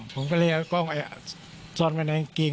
ผมก็เลยเอากล้องซ่อนไว้ในกางเกง